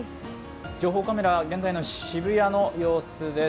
情報カメラ、現在の渋谷の様子です。